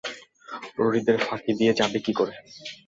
প্রহরীদের ফাঁকি দিয়ে যাবে কীকরে?